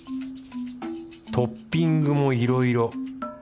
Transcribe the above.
トッピングもいろいろ。